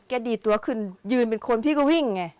ดีดตัวขึ้นยืนเป็นคนพี่ก็วิ่งไง